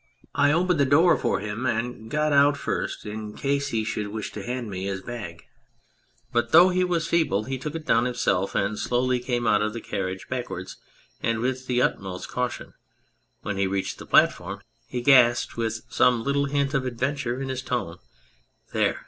I opened the door for him and got out first in case he should wish to hand me his bag. But though he was feeble he took it down himself and slowly came out of the carriage back wards and with the utmost caution; when he reached the platform he gasped, with some little hint of adventure in his tone, " There